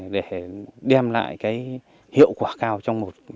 để đem lại hiệu quả cao